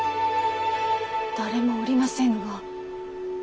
誰もおりませぬが。